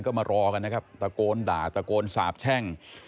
ก็มารอกันนะครับตะโกนด่าตะโกนสาบแช่ง